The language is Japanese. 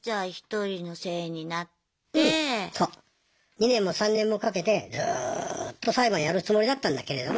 ２年も３年もかけてずっと裁判やるつもりだったんだけれども。